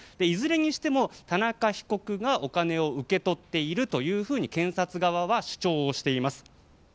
いずれにしても、田中被告がお金を受け取っているというふうに検察側は主張しています。